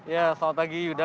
ya selamat pagi yuda